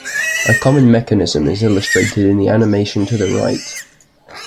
A common mechanism is illustrated in the animation to the right.